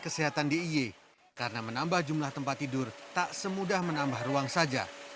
kesehatan diy karena menambah jumlah tempat tidur tak semudah menambah ruang saja tetap